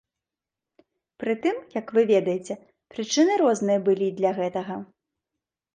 Прытым, як вы ведаеце, прычыны розныя былі для гэтага.